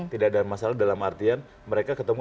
tidak ada masalah dalam artian mereka ketemu